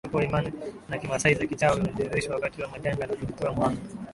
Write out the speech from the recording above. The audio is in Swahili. Uwepo wa Imani za kimaasai za kichawi unajidhihirisha wakati wa majanga na kujitoa muhanga